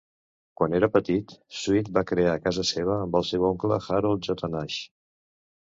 Quan era petit, Sweet va crear casa seva amb el seu oncle, Harold J. Nash.